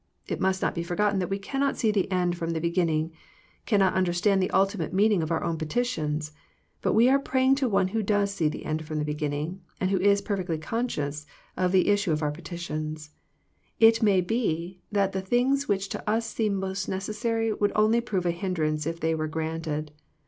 It must not be forgotten that we cannot see the end from the beginning, cannot understand the ultimate meaning of our own petitions, but we are praying to One who does see the end from the beginning, and who is perfectly conscious of the issue of our petitions. It may be that the things which to us seem most necessary would only prove a hindrance if they were granted.